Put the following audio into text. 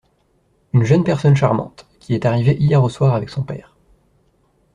Une jeune personne charmante… qui est arrivée hier au soir avec son père…